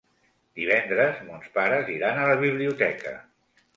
Divendres mons pares iran a la biblioteca.